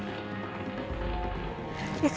aku akan bebas mereka